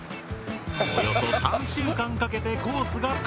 およそ３週間かけてコースが完成した！